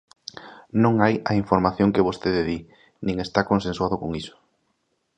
Non hai a información que vostede di, nin está consensuado con iso.